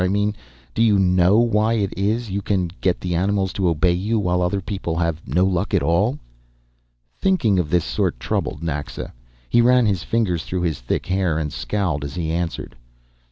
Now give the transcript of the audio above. I mean, do you know why it is you can get the animals to obey you while other people have no luck at all?" Thinking of this sort troubled Naxa. He ran his fingers through his thick hair and scowled as he answered.